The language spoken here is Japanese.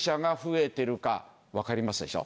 分かりますでしょ？